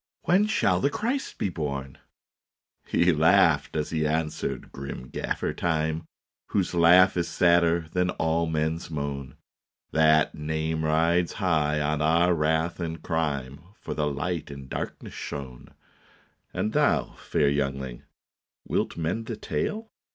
When shall the Christ be born? " He laughed as he answered, grim Gaffer Time, Whose laugh is sadder than all men s moan. " That name rides high on our wrath and crime, For the Light in darkness shone. " And thou, fair youngling, wilt mend the tale?